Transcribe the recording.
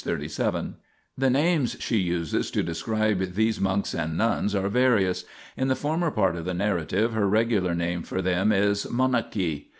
37). The names she uses to describe these monks (and nuns) are various. In the former part of the narra tive her regular name for them is monachi.